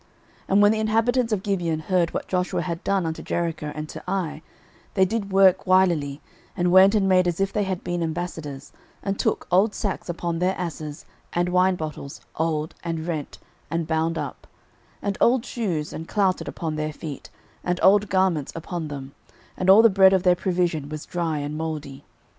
06:009:003 And when the inhabitants of Gibeon heard what Joshua had done unto Jericho and to Ai, 06:009:004 They did work wilily, and went and made as if they had been ambassadors, and took old sacks upon their asses, and wine bottles, old, and rent, and bound up; 06:009:005 And old shoes and clouted upon their feet, and old garments upon them; and all the bread of their provision was dry and mouldy.